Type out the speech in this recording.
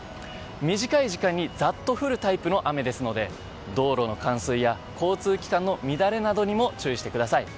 短い時間にざっと降るタイプの雨ですので道路の冠水や交通機関の乱れなどにも注意してください。